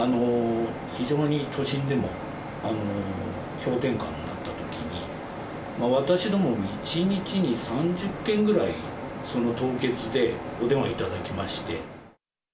非常に、都心でも、氷点下になったときに、私ども１日に３０件ぐらい、凍結でお電話いただきまして。